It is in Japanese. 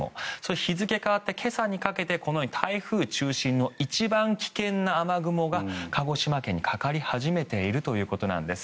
日付変わって今朝にかけてこのように台風中心の一番危険な雨雲が鹿児島県にかかり始めているということなんです。